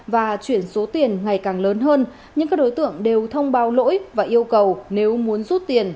và chuyển số tiền ngày càng lớn hơn nhưng các đối tượng đều thông báo lỗi và yêu cầu nếu muốn rút tiền